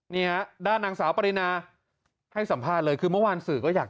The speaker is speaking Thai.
นี่ฮะด้านนางสาวปรินาให้สัมภาษณ์เลยคือเมื่อวานสื่อก็อยาก